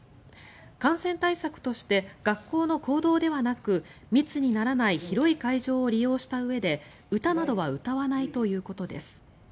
感染対策として学校の講堂ではなく密にならない広い会場を利用したうえで歌などは歌わないということです。